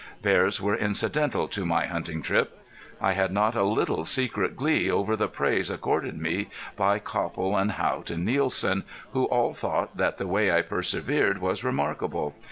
Bears were incidental to my hunting trip. I had not a little secret glee over the praise accorded me by Copple and Haught and Nielsen, who all thought that the way I persevered was remarkable.